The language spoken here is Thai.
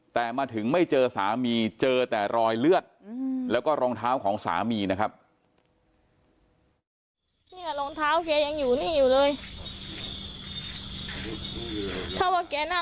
แต่มาถึงไม่เจอสามีเจอแต่รอยเลือดแล้วก็รองเท้าของสามีนะครับ